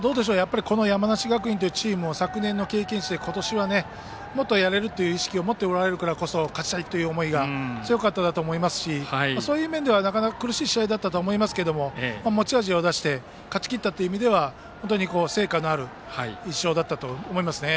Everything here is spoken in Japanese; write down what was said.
山梨学院というチームは昨年の経験値で、今年はもっとやれるという意識を持っておられるからこそ勝ちたいという思いが強かったんだと思いますしそういう面では苦しい試合だったとは思いますが持ち味を出して勝ちきったという意味では本当に成果のある１勝だったと思いますね。